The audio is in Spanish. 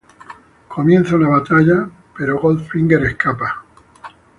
Comienza una batalla, pero Goldfinger escapa.